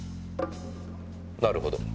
なるほど。